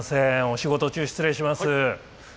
お仕事中失礼します。